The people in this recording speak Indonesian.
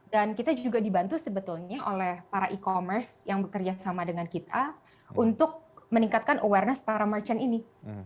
dan kita juga dibantu sebetulnya oleh para e commerce yang bekerja sama dengan kita untuk meningkatkan awareness para merchant ini